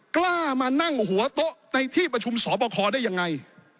กล้ามานั่งหัวโต๊ะในที่ประชุมสอบคอได้ยังไง